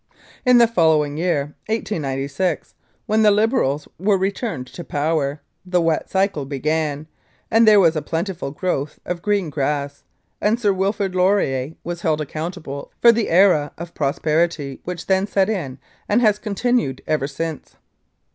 In the following year, 1896, when the Liberals were returned to power, the wet cycle began, and there was a plentiful growth of green grass; and Sir Wilfrid Laurier was held accountable for the era of prosperity which then set in and has continued ever since